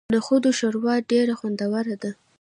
د نخودو شوروا ډیره خوندوره ده.